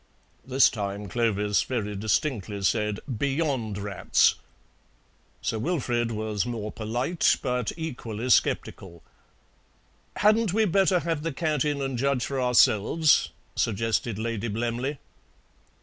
This time Clovis very distinctly said, "Beyond rats!" Sir Wilfrid was more polite, but equally sceptical. "Hadn't we better have the cat in and judge for ourselves?" suggested Lady Blemley.